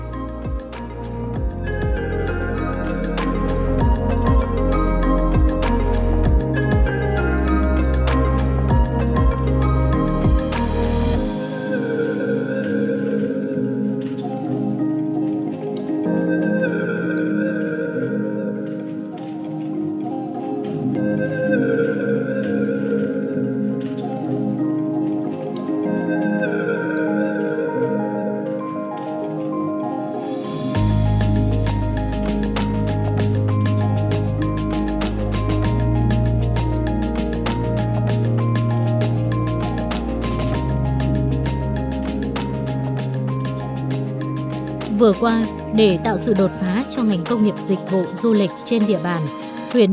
từ năm nay hai nghìn hai mươi này có cái lễ hội màu vàng tôi cũng được đi tham gia là tôi nhất có cái tinh thần vàng đánh thức tiềm năng vốn có của địa phương